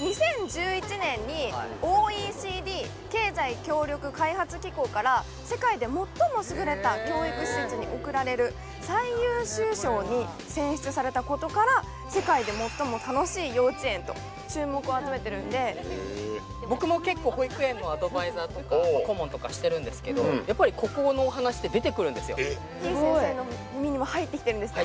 ２０１１年にＯＥＣＤ経済協力開発機構から世界で最も優れた教育施設に贈られる最優秀賞に選出されたことからと注目を集めてるんで僕も結構保育園のアドバイザーとか顧問とかしてるんですけどやっぱりてぃ先生の耳にも入ってきてるんですね